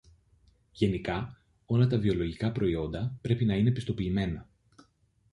Γενικά, όλα τα βιολογικά προϊόντα πρέπει να είναι πιστοποιημένα